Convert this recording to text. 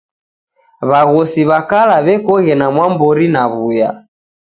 W'aghosi w'a kala w'ekoghe na mwambori na w'uya